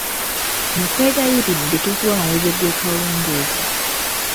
Nkwegayiridde tosubwa mawulire g'ekawungeezi.